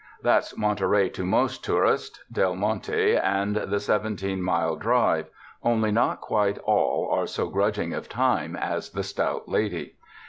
That's Monterey to most tourists — Del Monte and the Seventeen Mile Drive; only not quite all are so grudging of time as the stout lady.